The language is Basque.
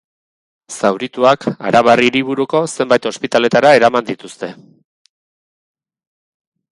Zaurituak arabar hiriburuko zenbait ospitaletara eraman dituzte.